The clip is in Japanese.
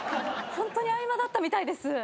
ホントに合間だったみたいです。